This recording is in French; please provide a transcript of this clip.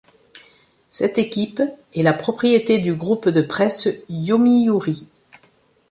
Cette équipe est la propriété du groupe de presse Yomiuri.